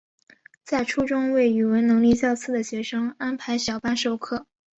在初中为语文能力较次的学生安排小班授课。